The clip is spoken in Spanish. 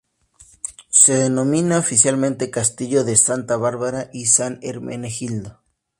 Se denomina oficialmente castillo de Santa Bárbara y San Hermenegildo.